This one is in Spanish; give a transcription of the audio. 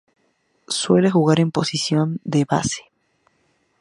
Suele jugar en la posición de base.